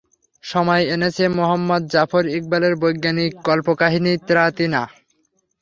সময় এনেছে মুহম্মদ জাফর ইকবালের বৈজ্ঞানিক কল্পকাহিনি ত্রাতিনা।